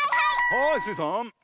はいスイさん。